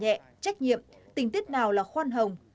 nhẹ trách nhiệm tình tiết nào là khoan hồng